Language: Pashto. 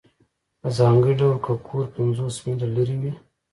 په ځانګړي ډول که کور پنځوس میله لرې وي